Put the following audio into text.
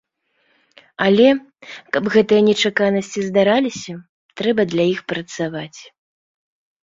Але, каб гэтыя нечаканасці здараліся, трэба для іх працаваць.